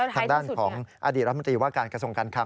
ทางด้านของอดีตรัฐมนตรีว่าการกระทรวงการคัง